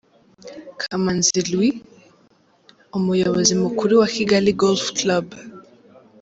Kamanzi Louis umuyobozi mukuru wa Kigali Golf Club.